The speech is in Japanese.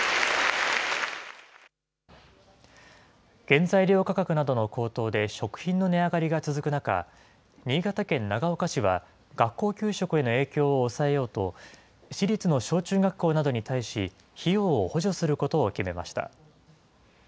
原材料価格などの高騰で、食品の値上がりが続く中、新潟県長岡市は、学校給食への影響を抑えようと、市立の小中学校などに対し、費用を補助することを決めました。